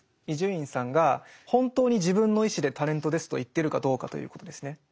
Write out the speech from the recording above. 伊集院さんが本当に自分の意思で「タレントです」と言ってるかどうかということですね。